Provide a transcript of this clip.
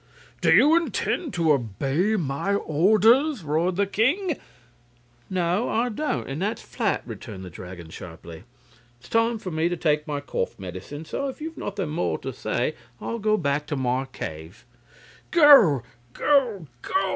"Do you intend to obey my orders?" roared the king. "No, I don't; and that's flat!" returned the Dragon, sharply. "It's time for me to take my cough medicine; so if you've nothing more to say I'll go back to my cave." "Go, go, go!"